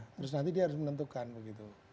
terus nanti dia harus menentukan begitu